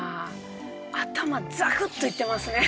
頭ザクッといってますね。